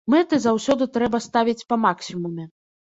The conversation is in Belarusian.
Мэты заўсёды трэба ставіць па максімуме.